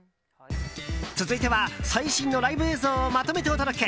続いては最新のライブ映像をまとめてお届け！